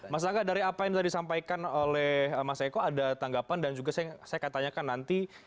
mas angga dari apa yang tadi disampaikan oleh mas eko ada tanggapan dan juga saya akan tanyakan nanti